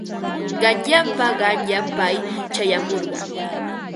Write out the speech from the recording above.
Qanyanpa qanyan pay chayamurqa.